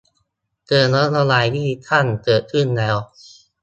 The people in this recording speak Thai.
เชิงนโยบายดิจิทัล เกิดขึ้นแล้ว